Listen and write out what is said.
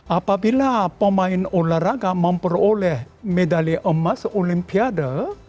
apabila pemain olahraga memperoleh medali emas olimpiade